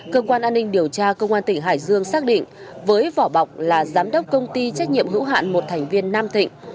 cơ quan an ninh điều tra công an tỉnh hải dương xác định với vỏ bọc là giám đốc công ty trách nhiệm hữu hạn một thành viên nam thịnh